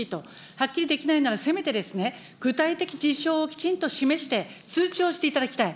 はっきりできないなら、せめて具体的事象をきちんと示して、通知をしていただきたい。